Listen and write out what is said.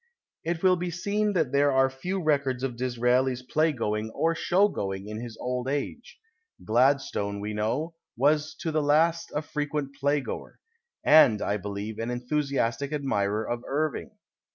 It will be seen that there are few records of Dis raeli's playgoing or show going in his old age. Gladstone, we know, was to the last a frequent playgoer — and, I believe, an enthusiastic admirer of Irving.